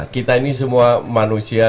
kita ini semua manusia